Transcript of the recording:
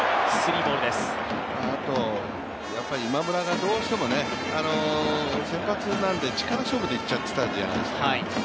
今村がどうしても先発なんで力勝負でいっちゃってたじゃないですか。